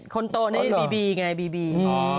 คนโตนี่บีบีไงบีบี